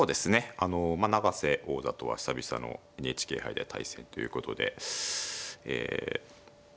あのまあ永瀬王座とは久々のＮＨＫ杯で対戦ということでえま